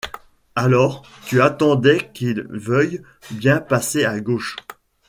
Alors, tu attendais qu'ils veuillent bien passer à gauche.